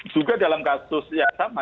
juga dalam kasus yang sama